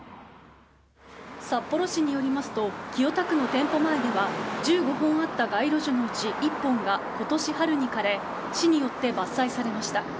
札幌市によりますと清田区の店舗前では１５本あった街路樹のうち１本が今年春に枯れ市によって伐採されました。